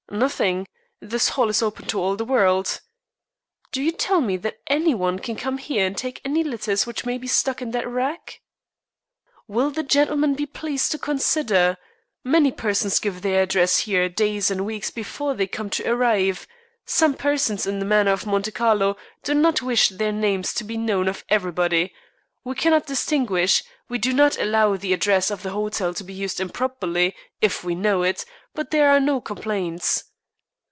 "Nothing. This hall is open to all the world." "Do you tell me that any one can come here and take any letters which may be stuck in that rack?" "Will the gentleman be pleased to consider? Many persons give their address here days and weeks before they come to arrive. Some persons, in the manner of Monte Carlo, do not wish their names to be known of everybody. We cannot distinguish. We do not allow the address of the hotel to be used improperly, if we know it; but there are no complaints."